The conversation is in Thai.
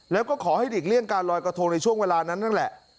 แล้วก็ขอให้หลีกเลี่ยงการลอยกระทงในช่วงเวลานั้นนั่นแหละ